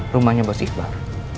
rumahnya bos iqbal